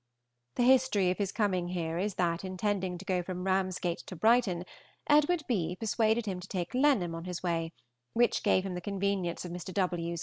The history of his coming here is, that, intending to go from Ramsgate to Brighton, Edw. B. persuaded him to take Lenham on his way, which gave him the convenience of Mr. W.'